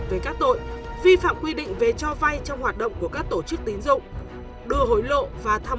về các tội vi phạm quy định về cho vay trong hoạt động của các tổ chức tín dụng đưa hối lộ và tham